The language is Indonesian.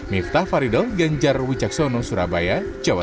miftah faridol genjar wicaksono surabaya jawa